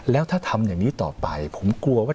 แล้วถ้าทำอย่างนี้ต่อไปผมกลัวว่า